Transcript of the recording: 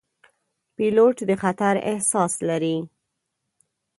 پیلوټ د خطر احساس لري.